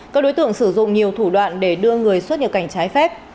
các đối tượng sử dụng nhiều thủ đoạn để đưa người xuất nhập cảnh trái phép